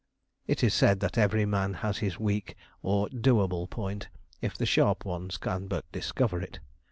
It is said that every man has his weak or 'do able' point, if the sharp ones can but discover it.